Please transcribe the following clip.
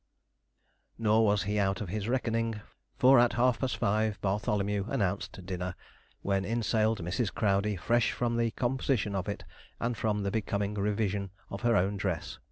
Nor was he out of his reckoning, for at half past five Bartholomew announced dinner, when in sailed Mrs. Crowdey fresh from the composition of it and from the becoming revision of her own dress.